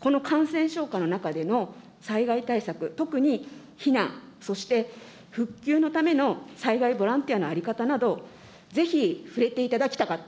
この感染症下の中での災害対策、特に避難、そして復旧のための災害ボランティアの在り方など、ぜひ触れていただきたかった。